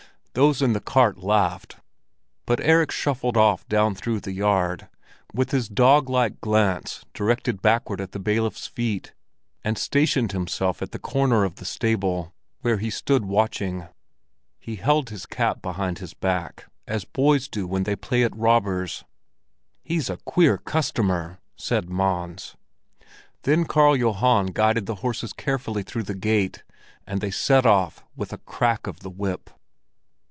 Those in the cart laughed, but Erik shuffled off down through the yard, with his dog like glance directed backward at the bailiff's feet, and stationed himself at the corner of the stable, where he stood watching. He held his cap behind his back, as boys do when they play at "Robbers." "He's a queer customer!" said Mons. Then Karl Johan guided the horses carefully through the gate, and they set off with a crack of the whip.